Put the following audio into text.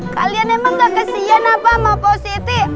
kalian emang gak kesian apa sama positi